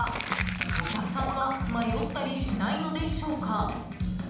お客さんは迷ったりしないのでしょうか。